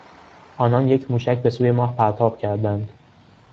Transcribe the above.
آنان یک موشک به سوی ماه پرتاب کردند.